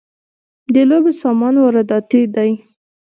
د لوبو سامان وارداتی دی؟